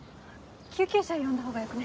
救急車呼んだほうがよくね？